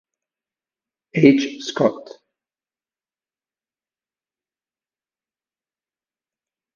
H. Scott.